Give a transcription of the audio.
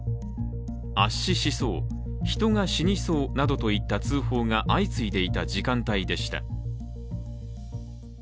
圧死しそう、人が死にそうなどといった通報が相次いでいた時間帯でした。